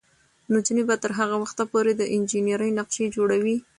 نجونې به تر هغه وخته پورې د انجینرۍ نقشې جوړوي.